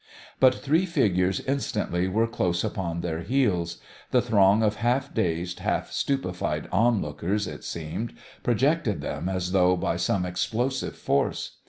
But three figures instantly were close upon their heels. The throng of half dazed, half stupefied onlookers, it seemed, projected them as though by some explosive force.